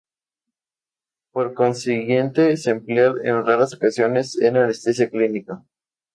Por consiguiente, se emplea en raras ocasiones en anestesia clínica.